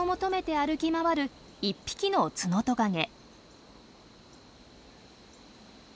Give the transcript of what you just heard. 歩き回る１匹のツノトカゲ。